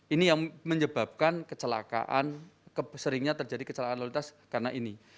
ini yang menyebabkan kecelakaan seringnya terjadi kecelakaan lalu lintas karena ini